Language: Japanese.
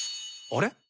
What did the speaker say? あれ？